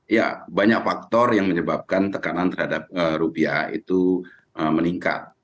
ya banyak faktor yang menyebabkan tekanan terhadap rupiah itu meningkat